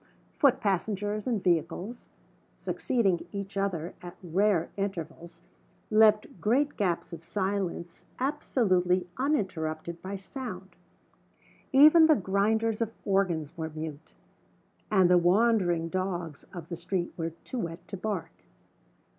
Foot passengers and vehicles, succeeding each other at rare intervals, left great gaps of silence absolutely uninterrupted by sound. Even the grinders of organs were mute; and the wandering dogs of the street were too wet to bark.